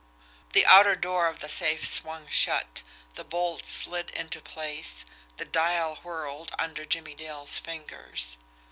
The outer door of the safe swung shut, the bolts slid into place, the dial whirled under Jimmie Dale's fingers.